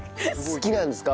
好きなんですか？